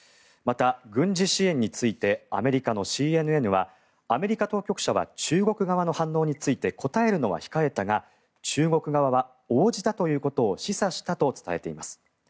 また軍事支援についてアメリカのＣＮＮはアメリカ当局者は中国側の反応について答えるのは控えたが中国側は応じたということを示唆したと伝えています。